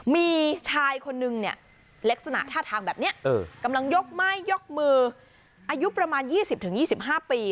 มีชายคนนึงเนี่ยลักษณะท่าทางแบบนี้กำลังยกไม้ยกมืออายุประมาณ๒๐๒๕ปี